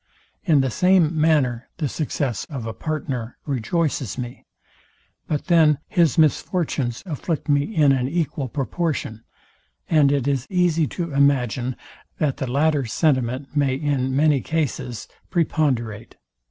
In the same manner the success of a partner rejoices me, but then his misfortunes afflict me in an equal proportion; and it is easy to imagine, that the latter sentiment may in many cases preponderate.